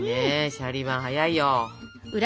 シャリバ早いよ！